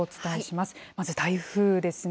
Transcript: まず台風ですね。